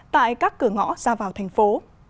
tại các cửa ngõ ra vào thành phố